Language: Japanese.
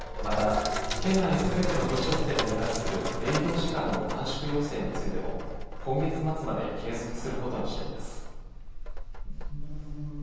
また、県内すべての飲食店に対する営業時間の短縮要請についても今月末まで継続することにしています。